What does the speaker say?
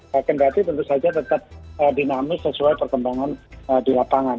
kendati tentu saja tetap dinamis sesuai perkembangan di lapangan